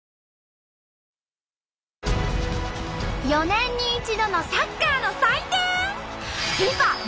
４年に一度のサッカーの祭典！